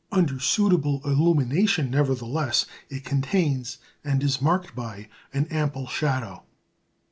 Under suitable illumination, nevertheless, it contains, and is marked by, an ample shadow.